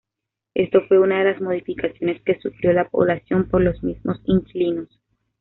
Esto fue una de las modificaciones que sufrió la población por los mismos inquilinos.